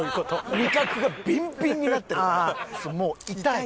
味覚がビンビンになってるからもう痛い。